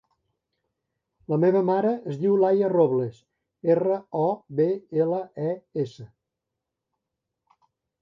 La meva mare es diu Laia Robles: erra, o, be, ela, e, essa.